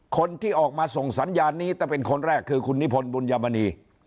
คนที่ออกมาส่งสัญญาณนี้ถ้าเป็นคนแรกคือคุณนิพนธ์บุญยามณี